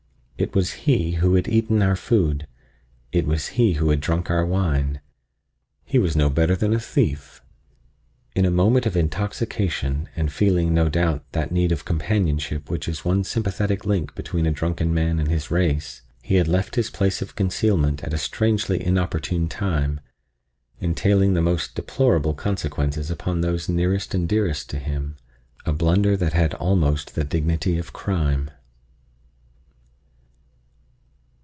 It was he who had eaten our food; it was he who had drunk our wine—he was no better than a thief! In a moment of intoxication, and feeling, no doubt, that need of companionship which is the one sympathetic link between a drunken man and his race, he had left his place of concealment at a strangely inopportune time, entailing the most deplorable consequences upon those nearest and dearest to him—a blunder that had almost the dignity of crime.